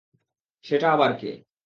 সেটা আবার কে?